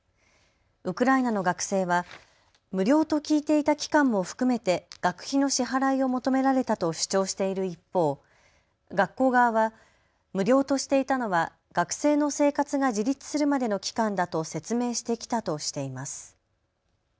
ウクライナの学生は無料と聞いていた期間も含めて学費の支払いを求められたと主張している一方、学校側は無料としていたのは学生の生活が自立するまでの期間だと説明してきたとしています。